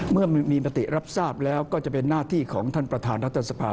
เมื่อมีมติรับทราบแล้วก็จะเป็นหน้าที่ของท่านประธานรัฐสภา